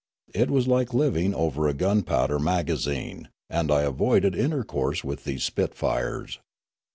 It was like living over a gunpowder magazine, and I av^oided intercourse with these spitfires.